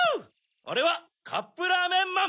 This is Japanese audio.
おれはカップラーメンマン！